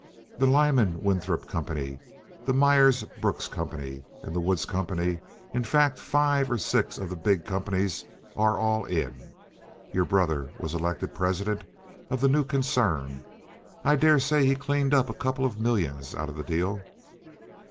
The Lyman Winthrop Company, the Myer Brooks Company, the Woods Company—in fact, five or six of the big companies are all in. Your brother was elected president of the new concern. I dare say he cleaned up a couple of millions out of the deal."